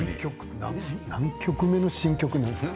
何曲目の新曲ですか。